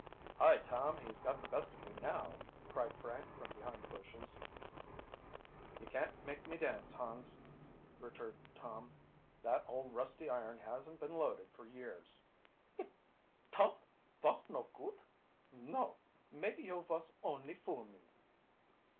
"Hi, Tom; he's got the best of you now!" cried Frank from behind the bushes. "You can't make me dance, Hans," returned Tom. "That old rusty iron hasn't been loaded for years." "It ton't vos no goot? No. Maybe you vos only fool me."